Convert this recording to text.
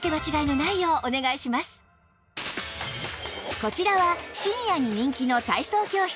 こちらはシニアに人気の体操教室